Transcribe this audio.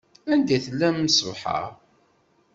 Anda i tellam ṣṣbeḥ-a?